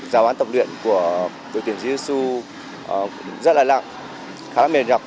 giáo án tập luyện của đội tuyển giê xu rất là lặng khá là mềm nhọc